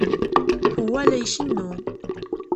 Pua la icennu.